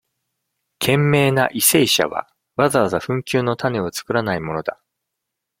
賢明な為政者は、わざわざ紛糾のタネはつくらないものだ。